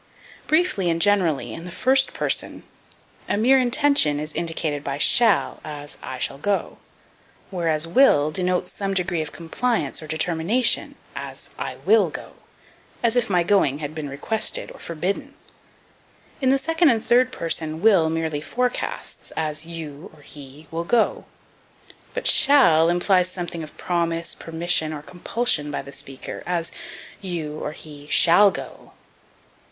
Briefly and generally, in the first person, a mere intention is indicated by shall, as, I shall go; whereas will denotes some degree of compliance or determination, as, I will go as if my going had been requested or forbidden. In the second and the third person, will merely forecasts, as, You (or he) will go; but shall implies something of promise, permission or compulsion by the speaker, as, You (or he) shall go.